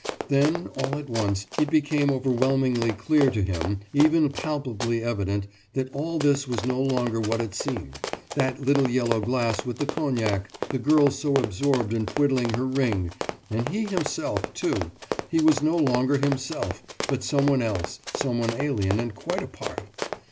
Then, all at once, it became overwhelmingly clear to him, even palpably evident, that all this was no longer what it seemed that little yellow glass with the cognac, the girl so absorbed in twiddling her ring and he himself, too, he was no longer himself, but someone else, someone alien and quite apart....